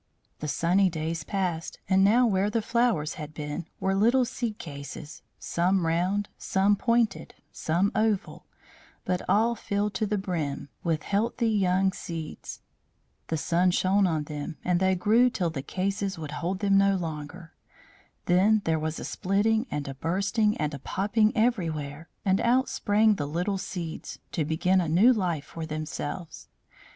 The sunny days passed, and now where the flowers had been were little seed cases; some round, some pointed, some oval, but all filled to the brim with healthy young seeds. The sun shone on them, and they grew and grew till the cases would hold them no longer. Then there was a splitting and a bursting and a popping everywhere, and out sprang the little seeds, to begin a new life for themselves.